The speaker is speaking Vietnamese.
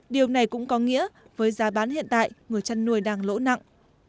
điều này cũng có nghĩa với giá bán hiện tại người chăn nuôi đang lỗ nặng